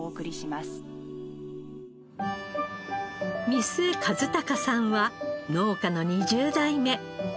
三須一生さんは農家の２０代目。